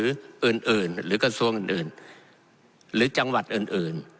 อื่นอื่นหรือกระทรวงอื่นอื่นหรือจังหวัดอื่นอื่น